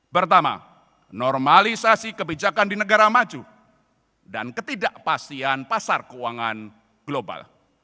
pertama normalisasi kebijakan di negara maju dan ketidakpastian pasar keuangan global